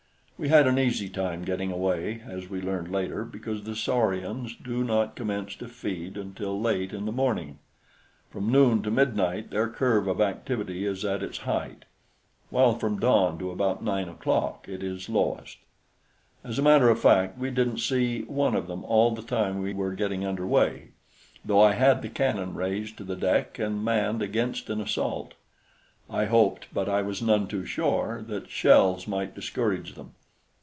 We had an easy time getting away as we learned later, because the saurians do not commence to feed until late in the morning. From noon to midnight their curve of activity is at its height, while from dawn to about nine o'clock it is lowest. As a matter of fact, we didn't see one of them all the time we were getting under way, though I had the cannon raised to the deck and manned against an assault. I hoped, but I was none too sure, that shells might discourage them.